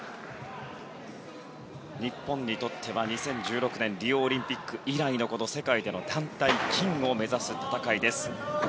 日本にとっては２０１６年リオオリンピック以来のこの世界での団体金を目指す戦いです。